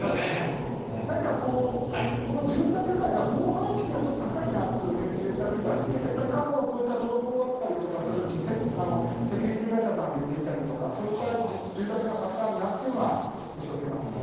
なんかこう、この住宅街が防犯意識がちょっと高いなという住宅街で、やっぱり過去、こういった泥棒があったりとかしたとき、セキュリティー会社さんを入れていたりとか、そういった住宅がたくさんあるなっていうのは印象受けますね。